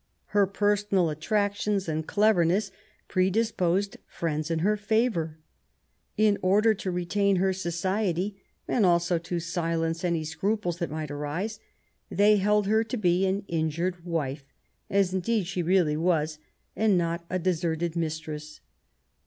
Her personal at tractions and cleverness predisposed friends in her favour. In order to retain her society and also to silence any scruples that might arise, they held her to be an injured wife, as indeed she really was, and not a deserted mistress.